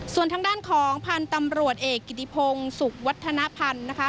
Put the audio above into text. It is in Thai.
ส่วนทางด้านของพันธุ์ตำรวจเอกกิติพงศ์สุขวัฒนภัณฑ์นะคะ